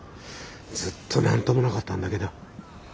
ずっと何ともなかったんだけど。